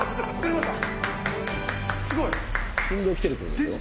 すごい。